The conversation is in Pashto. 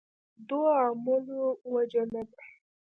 دوو عاملو وجه نه ده.